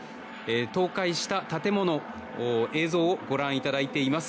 倒壊した建物の映像をご覧いただいています。